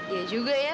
ya juga ya